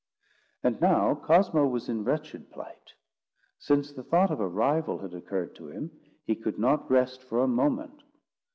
And now Cosmo was in wretched plight. Since the thought of a rival had occurred to him, he could not rest for a moment.